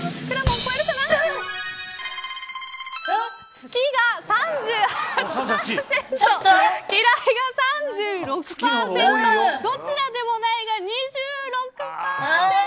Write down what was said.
好きが３８％嫌いが３６％どちらでもないが２６％です。